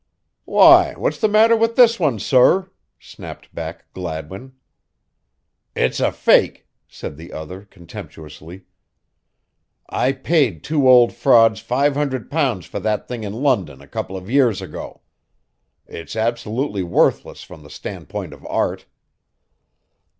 "Why, what's the matter with this one, sorr," snapped back Gladwin. "It's a fake," said the other, contemptuously. "I paid two old frauds five hundred pounds for that thing in London a couple of years ago it's absolutely worthless from the standpoint of art."